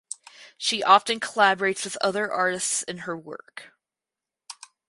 She often collaborates with other artists in her work.